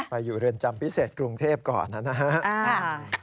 อยู่เรือนจำพิเศษกรุงเทพก่อนนะครับ